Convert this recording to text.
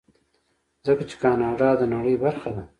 ځکه چې کاناډا د نړۍ برخه ده.